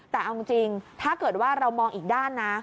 แต่เอาจริงถ้าเกิดว่าเรามองอีกด้านนะ